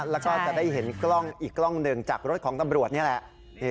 แล้วก็จะได้เห็นกล้องอีกกล้องหนึ่งจากรถของตำรวจนี่แหละ